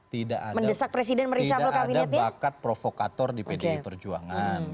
tidak ada bakat provokator di pdi perjuangan